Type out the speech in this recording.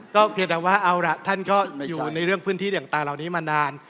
ก็คิดว่าเอาละท่านก็อยู่ในเรื่องพื้นที่อย่างตาเหล่านี้มานาน